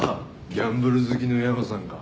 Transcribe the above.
ギャンブル好きの山さんか。